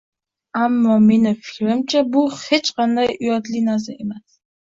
Ammo meni fikrimcha bu hech qanday uyatli narsa emas.